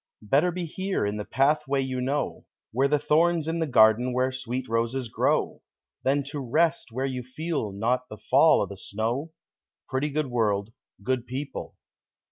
Better be here, in the pathway you know Where the thorn's in the garden where sweet roses grow, Than to rest where you feel not the fall o' the snow Pretty good world, good people!